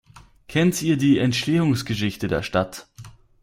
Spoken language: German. Kennt ihr die Entstehungsgeschichte der Stadt?